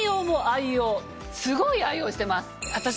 すごい愛用してます！